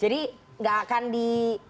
jadi nggak akan di